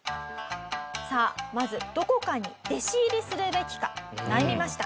さあまずどこかに弟子入りするべきか悩みました。